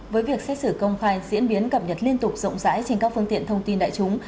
với việc xét xử công khai diễn biến cập nhật liên tục rộng rãi trên các phương tiện thông tin đại chúng